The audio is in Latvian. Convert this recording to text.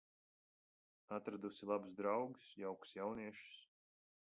Atradusi labus draugus, jaukus jauniešus.